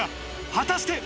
果たして。